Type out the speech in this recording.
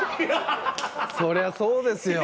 そりゃそうですよ。